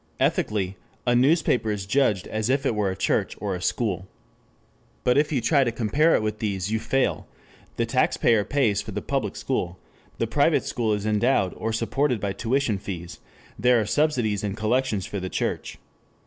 Ethically a newspaper is judged as if it were a church or a school. But if you try to compare it with these you fail; the taxpayer pays for the public school, the private school is endowed or supported by tuition fees, there are subsidies and collections for the church.